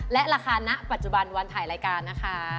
และราคาณปัจจุบันวันถ่ายรายการนะคะ